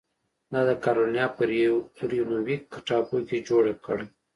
دا د کارولینا په ریونویک ټاپو کې جوړه کړه.